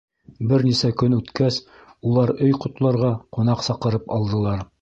Бер нисә көн үткәс, улар өй ҡотларға ҡунаҡ саҡырып алдылар.